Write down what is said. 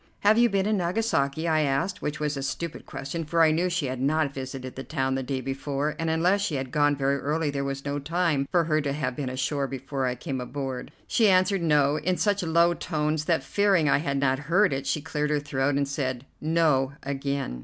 "Have you been in Nagasaki?" I asked, which was a stupid question, for I knew she had not visited the town the day before, and unless she had gone very early there was no time for her to have been ashore before I came aboard. She answered "No" in such low tones that, fearing I had not heard it, she cleared her throat, and said "No" again.